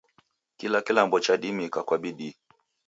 Kila kilambo chadimika kwa bidii